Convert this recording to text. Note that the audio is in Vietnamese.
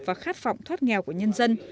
và khát phỏng thoát nghèo của nhân dân